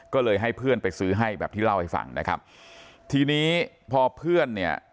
ก็เลยให้เพื่อนไปซื้อให้แบบที่เล่าให้ฟังนะครับทีนี้พอเพื่อนเนี่ย